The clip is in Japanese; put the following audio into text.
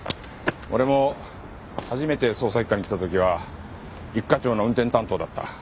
俺も初めて捜査一課に来た時は一課長の運転担当だった。